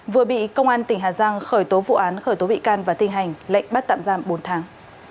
vừa bị công an tỉnh hà giang khởi tố vụ án khởi tố bị can và thi hành lệnh bắt tạm giam bốn tháng